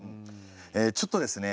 えちょっとですね